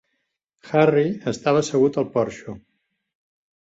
Harry estava assegut al porxo.